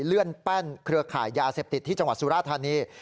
เลื่อนแป้นเครือข่ายยาเสพติดที่จังหวัดสุราธานี